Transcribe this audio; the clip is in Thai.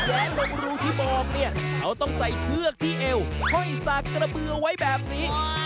และลงรูที่มองเนี่ยเขาต้องใส่เชือกที่เอวห้อยสากกระเบือไว้แบบนี้